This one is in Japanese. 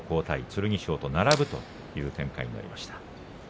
剣翔と並ぶという展開になりました。